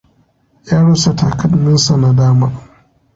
Ya rasa takalminsa na dama.